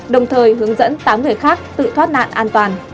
đồng thời hướng dẫn tám người khác tự thoát nạn an toàn